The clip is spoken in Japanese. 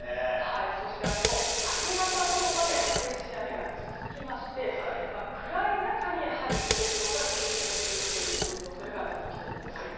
そして明日の明け方ごろまで激しい雨が続きまして暗い中に状況が急変するという恐れが出てきています。